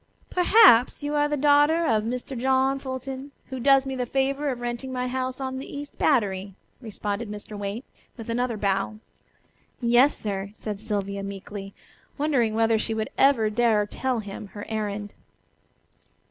"Perhaps you are the daughter of Mr. John Fulton, who does me the favor of renting my house on the East Battery," responded Mr. Waite, with another bow. "Yes, sir," said Sylvia meekly, wondering whether she would ever dare tell him her errand.